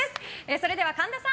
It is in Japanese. それでは神田さん